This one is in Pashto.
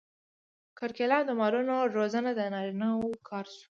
کرکیله او د مالونو روزنه د نارینه وو کار شو.